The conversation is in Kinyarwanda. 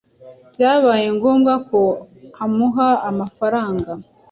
Byabaye ngombwa ko amuha amafaranga